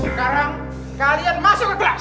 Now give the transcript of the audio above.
sekarang kalian masuk ke kelas